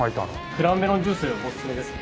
クラウンメロンジュースがおすすめですね。